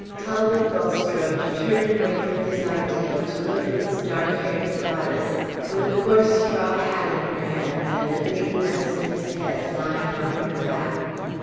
Talbot Bulstrode turned away from his ideal to look at this dark haired goddess, with a coarse straw hat in her hand and a big mastiff's head lying on her lap.